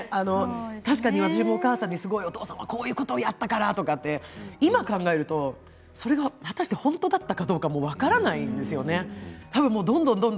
確かに私もお母さんにすごいお父さんはこんなことやったからと今、考えるとそれが果たして本当だったかどうかも分からないんですよね。